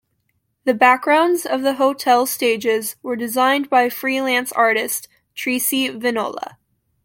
The backgrounds of the hotel stages were designed by freelance artist Trici Venola.